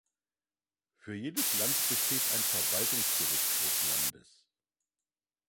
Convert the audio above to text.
Für jedes Land besteht ein Verwaltungsgericht des Landes.